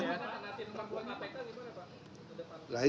masuk ke aok ya